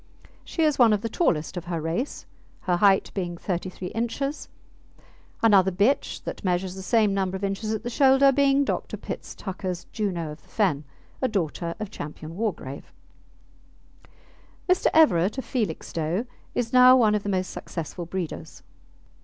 She is one of the tallest of her race, her height being 33 inches; another bitch that measures the same number of inches at the shoulder being Dr. Pitts Tucker's Juno of the Fen, a daughter of Ch. Wargrave. Mr. Everett, of Felixstowe, is now one of the most successful breeders.